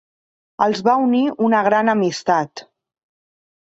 Els va unir una gran amistat.